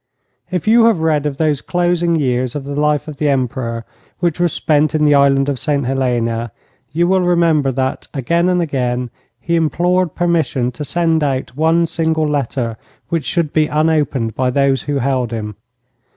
If you have read of those closing years of the life of the Emperor which were spent in the Island of St Helena, you will remember that, again and again, he implored permission to send out one single letter which should be unopened by those who held him.